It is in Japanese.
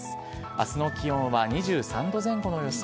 あすの気温は２３度前後の予想。